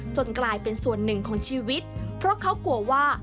กลายเป็นส่วนหนึ่งของชีวิตเพราะเขากลัวว่า